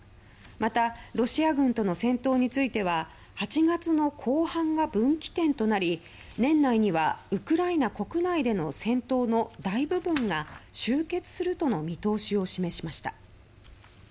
またロシア軍との戦闘については８月の後半が分岐点となり年内には、ウクライナ国内での戦闘の大部分が終結するとの見通しを示しました。